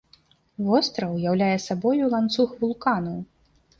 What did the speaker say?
Востраў уяўляе сабою ланцуг вулканаў.